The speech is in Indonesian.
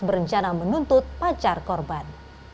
berencana menuntut pacar korban